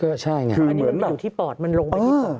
ก็ใช่อยู่ที่ปอดมันลงไปถึงปอด